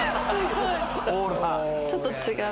ちょっと違う。